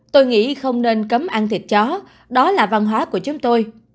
tôi nghĩ không nên cấm ăn thịt chó đó là văn hóa của chúng tôi